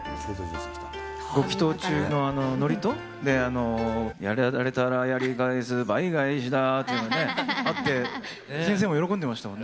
ご祈とう中ののりとで、やられたらやり返す、倍返しだーというのね、あって、先生も喜んでましたもんね。